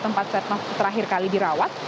tempat setia novanto terakhir kali dirawat